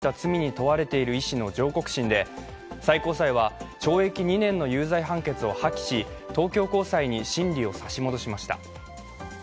手術後の女性患者にわいせつな行為をした罪に問われている医師の上告審で最高裁は、懲役２年の有罪判決を破棄し東京高裁に審理を差し戻しました。